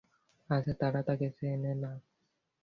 আচ্ছা, তারা তাকে চেনে না।